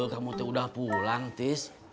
kamu udah pulang tis